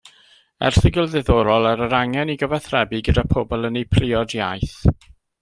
Erthygl ddiddorol ar yr angen i gyfathrebu gyda pobl yn eu priod iaith.